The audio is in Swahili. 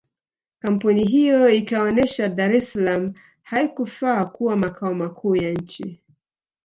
Kampuni hiyo ikaonesha Dar es salaam haikufaa kuwa makao makuu ya nchi